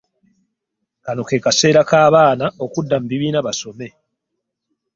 Kano ke kaseera ka baana okudda mu bibiina basome.